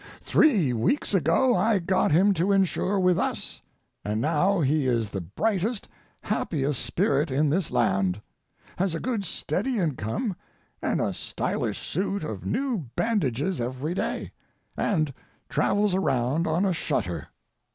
Three weeks ago I got him to insure with us, and now he is the brightest, happiest spirit in this land—has a good steady income and a stylish suit of new bandages every day, and travels around on a shutter.